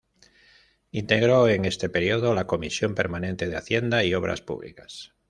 Integró en este período la comisión permanente de Hacienda y Obras Públicas.